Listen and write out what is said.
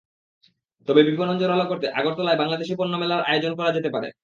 তবে বিপণন জোরালো করতে আগরতলায় বাংলাদেশি পণ্যমেলার আয়োজন করা যেতে পারে।